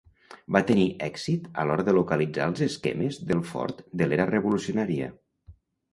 Van tenir èxit a l'hora de localitzar els esquemes del fort de l'era revolucionària.